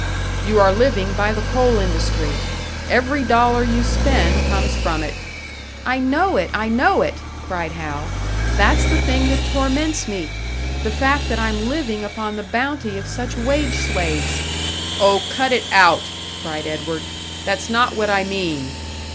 "You are living by the coal industry! Every dollar you spend comes from it " "I know it! I know it!" cried Hal. "That's the thing that torments me! The fact that I'm living upon the bounty of such wage slaves " "Oh, cut it out!" cried Edward. "That's not what I mean!"